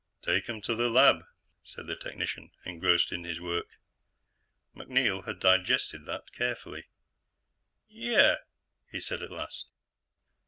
"Take 'em to the lab," said the technician, engrossed in his work. MacNeil had digested that carefully. "Yeah?" he'd said at last.